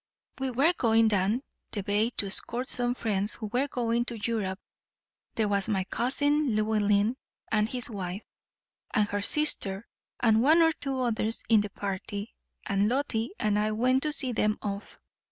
"We were going down the bay to escort some friends who were going to Europe. There was my cousin Llewellyn and his wife, and her sister, and one or two others in the party; and Lottie and I went to see them off.